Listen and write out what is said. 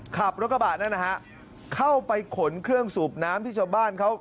ขับรถกระบะนั่นนะฮะเข้าไปขนเครื่องสูบน้ำที่ชาวบ้านเขา